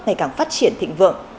ngày càng phát triển thịnh vượng